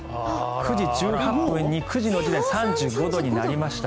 ９時１８分に、９時の時点で３５度になりました。